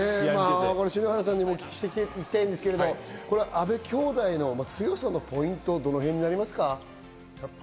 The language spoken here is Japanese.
篠原さんにもお聞きしていきたいんですが、阿部兄妹の強さのポイント、どのへんになりますか？